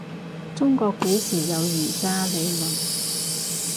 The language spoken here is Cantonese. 中國幾時有儒家倫理